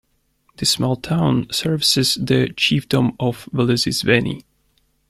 This small town services the chiefdom of Velezizweni.